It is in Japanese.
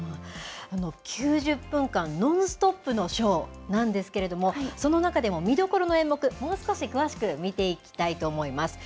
９０分間、ノンストップのショーなんですけれども、その中でも見どころの演目、もう少し詳しく見ていきたいと思います。